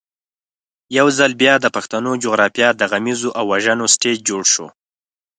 یو ځل بیا د پښتنو جغرافیه د غمیزو او وژنو سټېج جوړ شو.